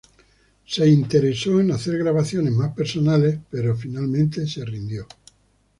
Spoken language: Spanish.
Se interesó en hacer grabaciones más personales, pero finalmente se rindió.